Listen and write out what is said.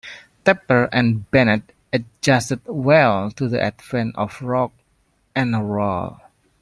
Tepper and Bennett adjusted well to the advent of rock 'n roll.